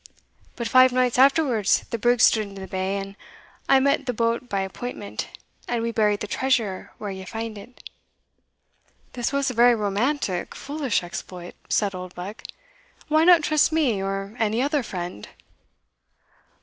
But five nights afterwards the brig stood into the bay, and I met the boat by appointment, and we buried the treasure where ye fand it." "This was a very romantic, foolish exploit," said Oldbuck: "why not trust me, or any other friend?"